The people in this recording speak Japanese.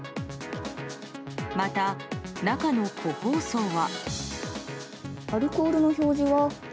また、中の個包装は。